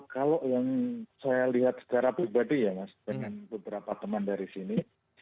kalau yang saya lihat secara pribadi ya mas dengan beberapa teman dari sini